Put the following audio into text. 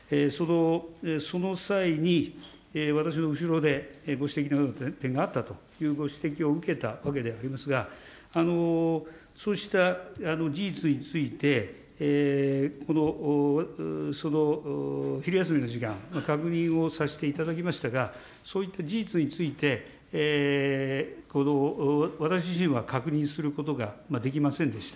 その際に、私の後ろでご指摘のような点があったというご指摘を受けたわけでありますが、そうした事実について、その昼休みの時間、確認をさせていただきましたが、そういった事実について、私自身は確認することができませんでした。